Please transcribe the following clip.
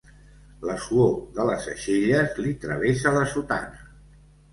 La suor de les aixelles li travessa la sotana.